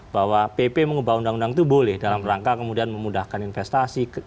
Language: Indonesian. bahwa pp mengubah undang undang itu boleh dalam rangka kemudian memudahkan investasi